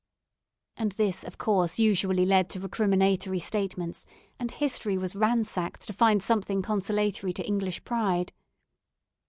And this, of course, usually led to recriminatory statements, and history was ransacked to find something consolatory to English pride.